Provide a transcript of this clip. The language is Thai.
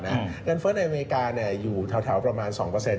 เงินเฟ้อในอเมริกาอยู่แถวประมาณ๒